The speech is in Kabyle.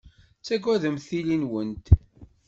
Tettagademt tili-nwent.